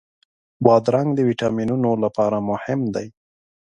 بادرنګ د ویټامینونو لپاره مهم دی.